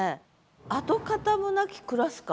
「跡形も無きクラス会」？